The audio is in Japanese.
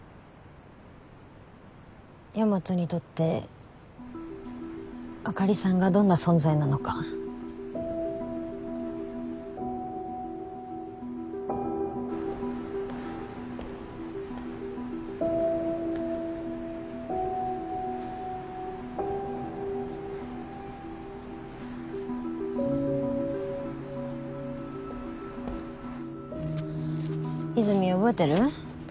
大和にとってあかりさんがどんな存在なのか和泉覚えてる？